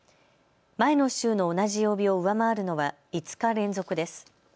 前の週の同じ曜日を上回るのは５日連続です。